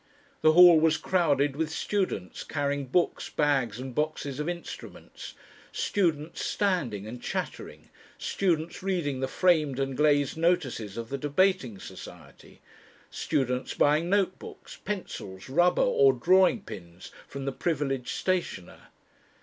The hall was crowded with students carrying books, bags, and boxes of instruments, students standing and chattering, students reading the framed and glazed notices of the Debating Society, students buying note books, pencils, rubber, or drawing pins from the privileged stationer.